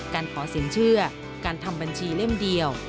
การขอสินเชื่อการทำบัญชีเล่มเดียว